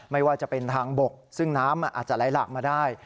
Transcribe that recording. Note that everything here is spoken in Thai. ไม่ว่าจะเป็นทางบกซึ่งน้ำอาจจะไหลหลากมาได้